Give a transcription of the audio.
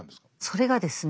それがですね